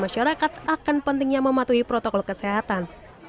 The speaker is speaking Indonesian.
masyarakat akan pentingnya mematuhi protokol kesehatan